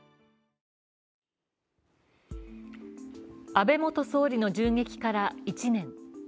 安倍元総理の銃撃から１年。